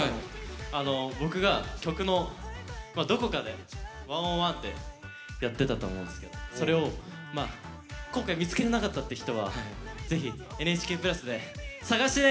僕が曲のどこかで「１０１」ってやってたと思うんですけどそれを今回見つけれなかったって人はぜひ「ＮＨＫプラス」で探してね！